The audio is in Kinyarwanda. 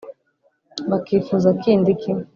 bakifuza kindi ki ?